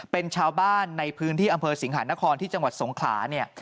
เป็นชาวบ้านในพื้นที่อำเภอสิงหานครที่จังหวัดสงขลาเนี่ย